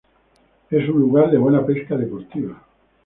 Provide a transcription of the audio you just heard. Es un lugar de buena pesca deportiva.